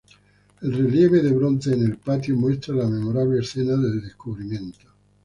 El relieve de bronce en el patio muestra la memorable escena del descubrimiento.